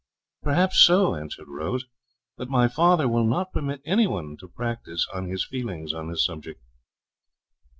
'Perhaps so,' answered Rose; 'but my father will not permit any one to practise on his feelings on this subject.'